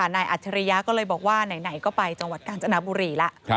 อัจฉริยะก็เลยบอกว่าไหนก็ไปจังหวัดกาญจนบุรีแล้ว